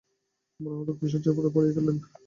মরণাহত কবি শয্যার উপরে পড়িয়া গেলেন।